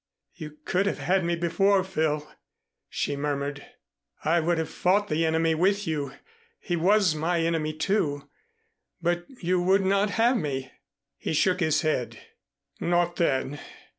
"You could have had me before, Phil," she murmured. "I would have fought the Enemy with you he was my Enemy, too, but you would not have me." He shook his head. "Not then.